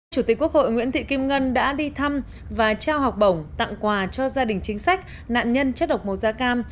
chủ tịch quốc hội nguyễn thị kim ngân đã đi thăm và trao học bổng tặng quà cho gia đình chính sách nạn nhân chất độc màu da cam